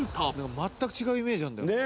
「全く違うイメージあるんだよな」